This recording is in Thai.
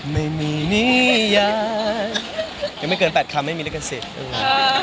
ไม่มีนิยายังไม่เกิน๘คำไม่มีลักษณ์เสร็จ